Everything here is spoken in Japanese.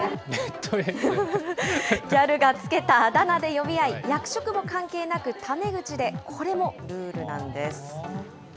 ギャルが付けたあだ名で呼び合い、役職も関係なく、タメ口で、これもルールなんです。